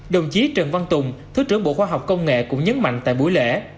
đồng chí trần văn tùng thứ trưởng bộ khoa học công nghệ cũng nhấn mạnh tại buổi lễ